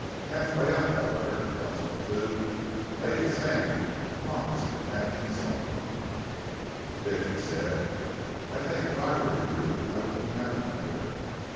Half way up, however, Jocelyn Thew laid his hand upon his companion's arm. "Dick," he said, "I think if I were you I wouldn't have another.